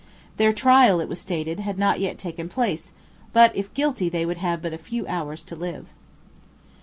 Their trial, it was stated, had not yet taken place; but if guilty they would have but a few hours to live.